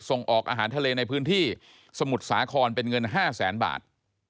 ส่งออกอาหารทะเลในพื้นที่สมุทรสาครเป็นเงิน๕แสนบาท